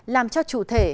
làm cho chủ thể